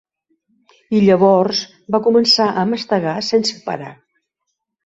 I llavors va començar a mastegar sense parar.